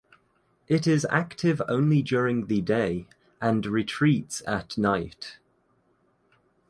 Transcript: It is active only during the day and retreats at night.